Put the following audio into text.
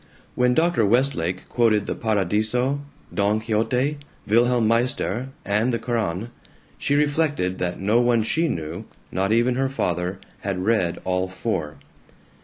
When Dr. Westlake quoted the "Paradiso," "Don Quixote," "Wilhelm Meister," and the Koran, she reflected that no one she knew, not even her father, had read all four.